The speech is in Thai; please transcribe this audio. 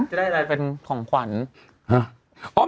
จะได้อะไรเป็นของขวัญ